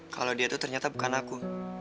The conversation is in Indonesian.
kalau dia itu ternyata bukan aku